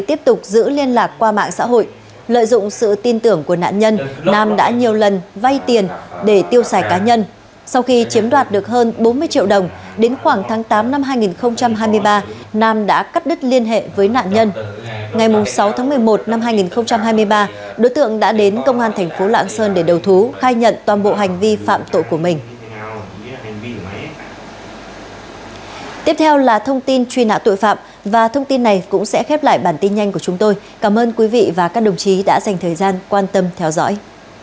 tiếp theo là thông tin truy nã tội phạm và thông tin này cũng sẽ khép lại bản tin nhanh của chúng tôi cảm ơn quý vị và các đồng chí đã dành thời gian quan tâm theo dõi